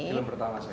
film pertama saya